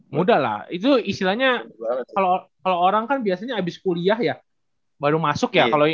muda lah itu istilahnya kalo orang kan biasanya abis kuliah ya baru masuk ya